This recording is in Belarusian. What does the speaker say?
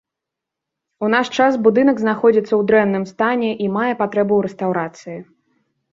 У наш час будынак знаходзіцца ў дрэнным стане і мае патрэбу ў рэстаўрацыі.